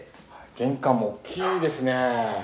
玄関も大きいですね。